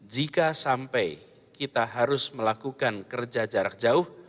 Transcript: jika sampai kita harus melakukan kerja jarak jauh